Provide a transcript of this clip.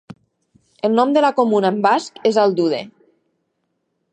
El nom de la comuna en basc és "aldude".